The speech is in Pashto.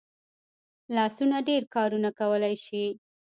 لاسونه ډېر کارونه کولی شي